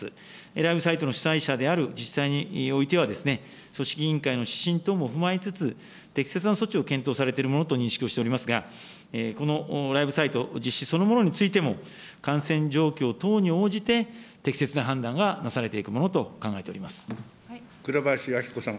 ライブサイトの主催者である自治体においては、組織委員会の指針等も踏まえつつ、適切な措置を検討されているものと認識をしておりますが、このライブサイト実施そのものについても、感染状況等に応じて、適切な判断がなされて倉林明子さん。